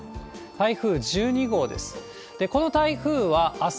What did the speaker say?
台風１２号です。